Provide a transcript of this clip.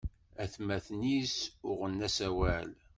Atmaten-is uɣen-as awal.